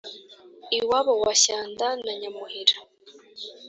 iwabo wa shyanda na nyamuhira